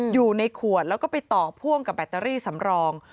อยู่ในขวดแล้วก็ไปต่อพ่วงกับแบตเตอรี่สำรอง